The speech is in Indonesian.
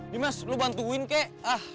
dimas lo bantuin kek